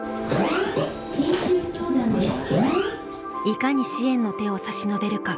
いかに支援の手を差し伸べるか。